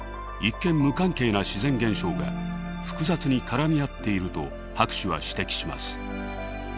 無関係な自然現象が複雑に絡み合っていると博士は指摘します。